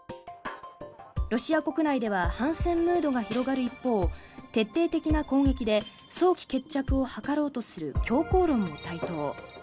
ロシア国内では反戦ムードが広がる一方徹底的な攻撃で早期決着を図ろうとする強硬論も台頭。